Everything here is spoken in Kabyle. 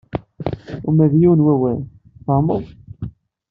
Uma d yiwen wawal, tfehmeḍ?